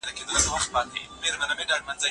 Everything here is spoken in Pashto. تاسو باید د مقالي لپاره یو منظم جوړښت ولرئ.